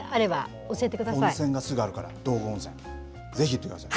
温泉がすぐあるから、道後温泉、ぜひ行ってください。